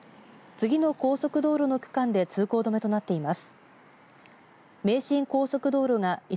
次の高速道路の区間で通行止めとなっています。